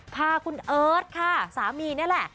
พาคุณเอิร์ทค่ะสามีนี่แหละ